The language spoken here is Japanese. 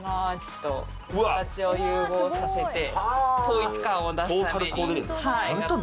形を融合させて統一感を出すために。